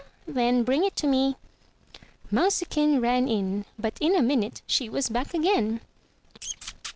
Then bring it to me." Mousikin ran in, but in a minute she was back again.